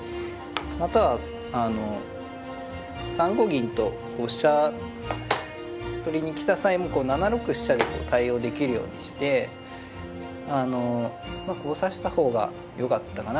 または３五銀と飛車取りに来た際もこう７六飛車で対応できるようにしてあのまあこう指した方がよかったかな。